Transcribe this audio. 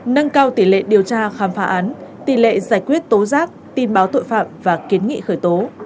nâng cao tỷ lệ điều tra khám phá án tỷ lệ giải quyết tố giác tin báo tội phạm và kiến nghị khởi tố